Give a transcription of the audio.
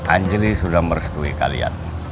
anjli sudah merestui kalian